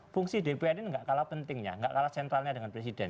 fungsi dpr ini nggak kalah pentingnya nggak kalah sentralnya dengan presiden